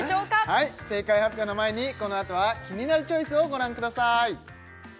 はい正解発表の前にこのあとは「キニナルチョイス」をご覧ください